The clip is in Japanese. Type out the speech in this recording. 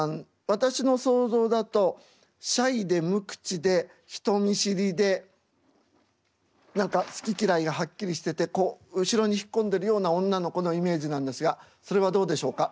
私の想像だとシャイで無口で人見知りで何か好き嫌いがはっきりしてて後ろに引っ込んでるような女の子のイメージなんですがそれはどうでしょうか？